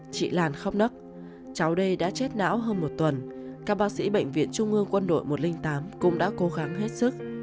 chị làn khóc nấc cháu đây đã chết não hơn một tuần các bác sĩ bệnh viện trung ương quân đội một trăm linh tám cũng đã cố gắng hết sức